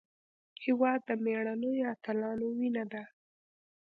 هېواد د مېړنیو اتلانو وینه ده.